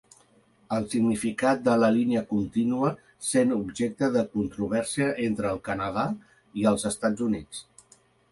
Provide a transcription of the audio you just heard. El significat de la línia continua sent objecte de controvèrsia entre el Canadà i els EUA.